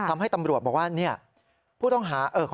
ทำให้ตำรวจบอกว่าผู้ต้องหา